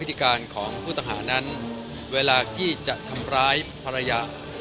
ถ้าต้องแนะนำเกลียดมันไม่มีเกลียด